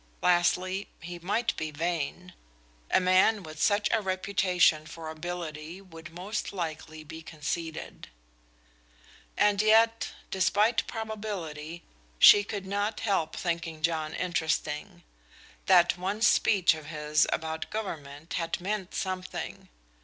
Lastly, he might be vain. A man with such a reputation for ability would most likely be conceited. And yet, despite probability, she could not help thinking John interesting. That one speech of his about government had meant something.